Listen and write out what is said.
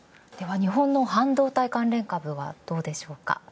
日本の半導体関連株はどうですか？